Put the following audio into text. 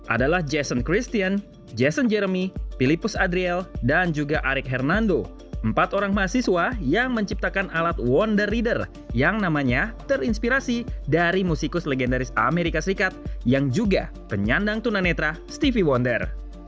adalah jason christian jason jeremy philipus adriel dan juga arik hernando empat orang mahasiswa yang menciptakan alat wonder reader yang namanya terinspirasi dari musikus legendaris amerika serikat yang juga penyandang tunanetra stevey wonder